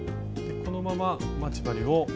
このまま待ち針を。